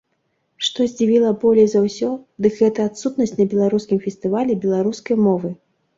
Што здзівіла болей за ўсё, дык гэта адсутнасць на беларускім фестывалі беларускай мовы.